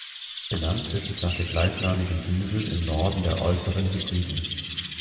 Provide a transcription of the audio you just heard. Benannt ist es nach der gleichnamigen Insel im Norden der Äußeren Hebriden.